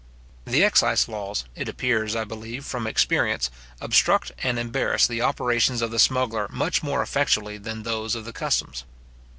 The excise laws, it appears, I believe, from experience, obstruct and embarrass the operations of the smuggler much more effectually than those of the customs.